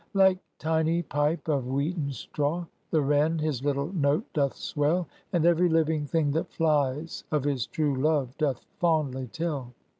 Like tiny pipe of wheaten straw, The wren his little note doth swell, And every living thing that flies, Of his true love doth fondly tell.